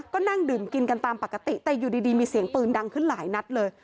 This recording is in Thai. ก็นั่งดื่มกินกันตามปกติแต่อยู่ดีมีเสียงปืนดังขึ้นหลายนัดเลย